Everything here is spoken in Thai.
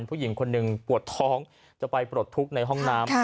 ผู้หญิงคนหนึ่งปวดท้องจะไปปลดทุกข์ในห้องน้ำ